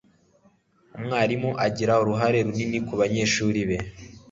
Umwarimu agira uruhare runini kubanyeshuri be